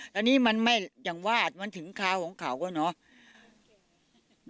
ตอนนี้มันไม่อย่างวาดมันถึงคาวของเขาก็เนาะ